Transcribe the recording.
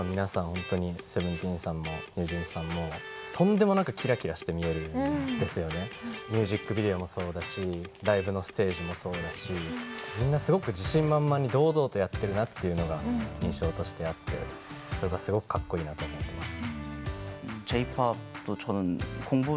本当にＳＥＶＥＮＴＥＥＮさんもＮｅｗＪｅａｎｓさんもミュージックビデオもそうだしライブのステージもそうだしみんなすごく自信満々に堂々とやってるなっていうのが印象としてあってそれがすごくかっこいいなと思っています。